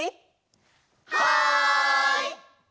はい！